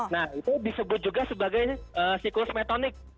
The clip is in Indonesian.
nah itu disebut juga sebagai siklus metonik